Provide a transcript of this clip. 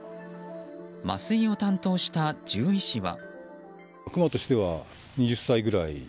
麻酔を担当した獣医師は。